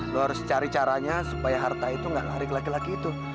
lo harus cari caranya supaya harta itu gak lari ke laki laki itu